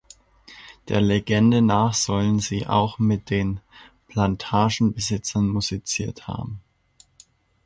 Der Legende nach sollen sie auch mit den Plantagenbesitzern musiziert haben.